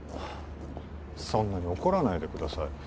そんなに怒らないでください